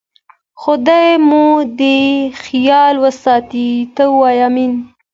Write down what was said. خدای مو دې حیا وساتي، ته وا آمین.